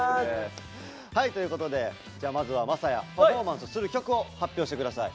はいということでまずは晶哉パフォーマンスする曲を発表して下さい。